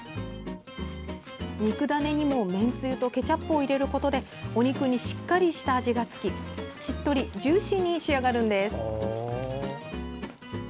肉ダネにも、めんつゆとケチャップを入れることでお肉にしっかり下味が付きしっとりジューシーに仕上がるんです。